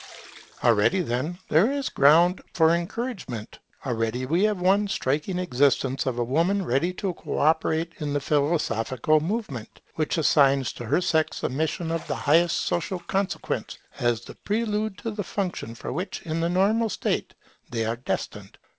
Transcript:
Already, then, there is ground for encouragement. Already we have one striking instance of a woman ready to co operate in the philosophical movement, which assigns to her sex a mission of the highest social consequence as the prelude to the function for which in the normal state they are destined.